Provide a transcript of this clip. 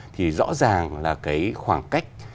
thì rõ ràng là cái khoảng cách